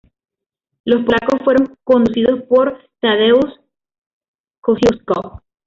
Los polacos fueron conducidos por Tadeusz Kościuszko.